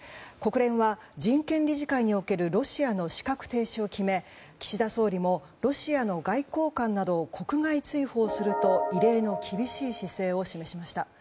国連は人権理事会におけるロシアの資格停止を決め岸田総理もロシアの外交官などを国外追放すると異例の厳しい姿勢を示しました。